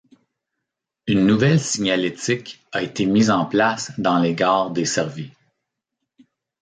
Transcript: Une nouvelle signalétique a été mise en place dans les gares desservies.